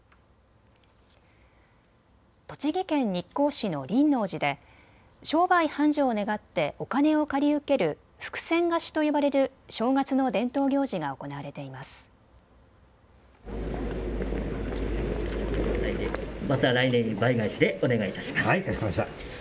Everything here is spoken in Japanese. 栃木県日光市の輪王寺で商売繁盛を願ってお金を借り受ける福銭貸しと呼ばれる正月の伝統行事が行われています。